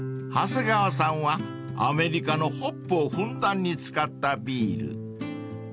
［長谷川さんはアメリカのホップをふんだんに使ったビール］